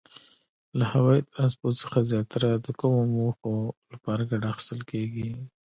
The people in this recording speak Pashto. له هوایي ترانسپورت څخه زیاتره د کومو موخو لپاره ګټه اخیستل کیږي؟